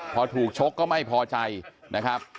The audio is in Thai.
พอถูกชกก็ไม่พอใจนะครับ